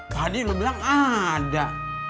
padi lo bilang ada